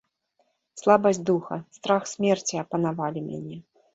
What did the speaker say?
Слабасць духа, страх смерці апанавалі мяне.